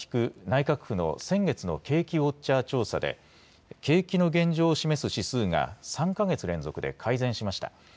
内閣府の先月の景気ウォッチャー調査で、景気の現状を示す指数が、３か月連続で改善しました。